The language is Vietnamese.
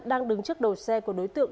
đang đứng trước đầu xe của đối tượng